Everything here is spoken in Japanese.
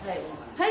はい。